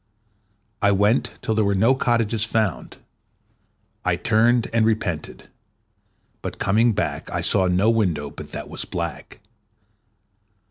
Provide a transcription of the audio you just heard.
I went till there were no cottages found. I turned and repented, but coming back I saw no window but that was black.